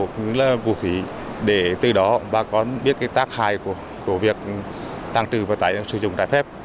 cũng như là vũ khí để từ đó bà con biết cái tác khai của việc tăng trừ và sử dụng trái phép